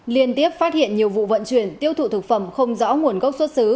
liên tiếp phát hiện nhiều vụ vận chuyển tiêu thụ thực phẩm không rõ nguồn gốc xuất xứ